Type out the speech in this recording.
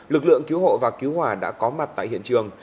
lực lượng cứu hộ và cứu hỏa đã có mặt tại hiện trường